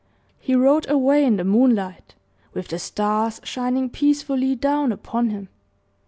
He rode away in the moonlight, with the stars shining peacefully down upon him.